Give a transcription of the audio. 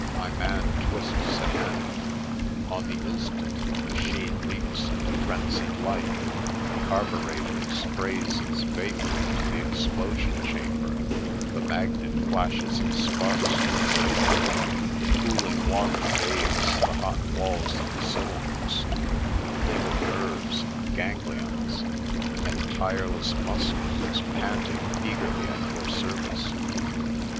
My man twists a handle. On the instant the machine leaps into frenzied life. The carburetter sprays its va pour into the explosion chamber, the magnet flashes its sparks to ignite it, the cooling water bathes the hot walls of the cylinders — a thing of nerves, and ganglions, and tireless muscles is panting eagerly at your service.